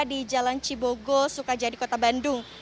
di jalan cibogo sukajadi kota bandung